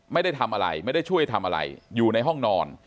ไม่ได้ทำอะไรไม่ได้ช่วยทำอะไรอยู่ในห้องนอน